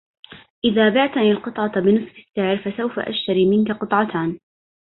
اذا بعتني القطعة بنصف السعر فسوف اشتري منك قطعتان